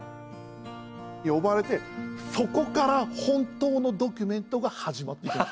呼ばれて、そこから本当のドキュメントが始まっていく。